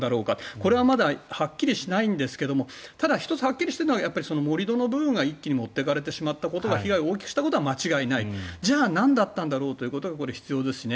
これはまだはっきりしないんですがただ、１つはっきりしているのは盛り土の部分が一気に持ってかれてしまったことが被害を大きくしたことは間違いないじゃあ、なんだったんだろうということがこれ、必要ですしね。